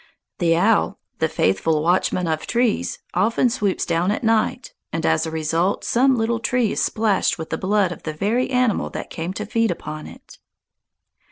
The owl, the faithful nightwatchman of trees, often swoops down at night, and as a result some little tree is splashed with the blood of the very animal that came to feed upon it.